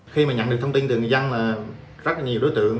khi mà nhận được thông tin từ người dân là rất là nhiều đối tượng